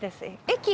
駅！